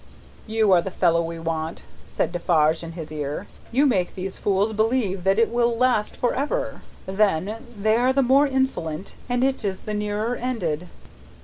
"You are the fellow we want," said Defarge, in his ear; "you make these fools believe that it will last for ever. Then, they are the more insolent, and it is the nearer ended."